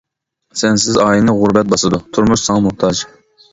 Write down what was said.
سەنسىز ئائىلىنى غۇربەت باسىدۇ، تۇرمۇش ساڭا موھتاج.